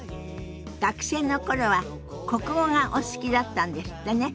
学生の頃は国語がお好きだったんですってね。